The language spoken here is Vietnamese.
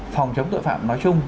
phòng chống tội phạm nói chung